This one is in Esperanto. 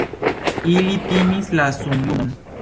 Ili timis la sunlumon.